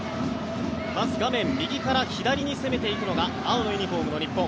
まず、画面右から左に攻めていくのが青のユニホームの日本。